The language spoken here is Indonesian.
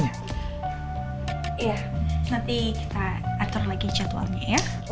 iya nanti kita atur lagi jadwalnya ya